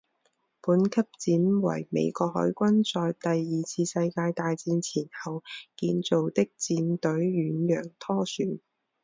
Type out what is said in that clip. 本级舰为美国海军在第二次世界大战前后建造的舰队远洋拖船。